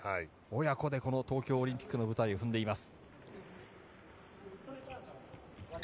親子で東京オリンピックの舞台を踏んでいます。